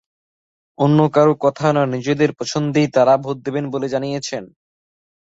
অন্য কারও কথায় নয়, নিজেদের পছন্দেই তাঁরা ভোট দেবেন বলে জানিয়েছেন।